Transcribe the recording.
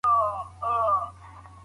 که خط ښه وي نو انسان پرې ویاړي.